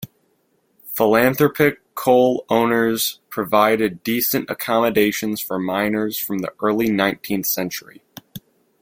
Philanthropic coal owners provided decent accommodation for miners from the early nineteenth century.